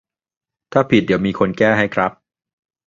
ถ้าผิดเดี๋ยวมีคนแก้ให้ครับ